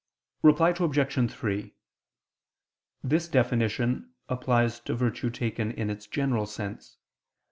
Reply Obj. 3: This definition applies to virtue taken in its general sense.